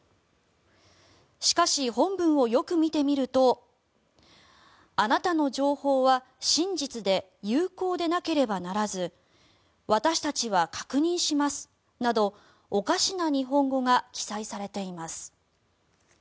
しかし、本文をよく見てみるとあなたの情報は真実で有効でなければならず私たちは確認しますなどおかしな日本語が記載されています。